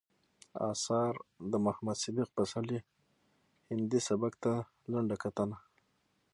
اثار، د محمد صديق پسرلي هندي سبک ته لنډه کتنه